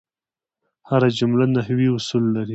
هره جمله نحوي اصول لري.